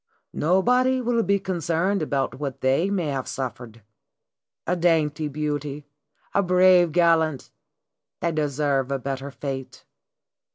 Nobody will be concerned about what they may have suffered. A dainty beauty, a brave gallant they deserve a better fate.